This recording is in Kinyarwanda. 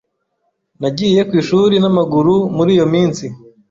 Nagiye ku ishuri n'amaguru muri iyo minsi.